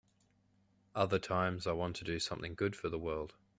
Other times I want to do something good for the world.